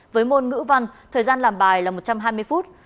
với môn ngữ văn thời gian làm bài là một trăm hai mươi phút